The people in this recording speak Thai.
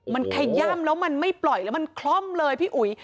มันขย่ำแล้วมันไม่ปล่อยแล้วมันคล่อมเลยพี่อุ๋ย